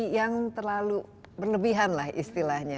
yang terlalu berlebihan lah istilahnya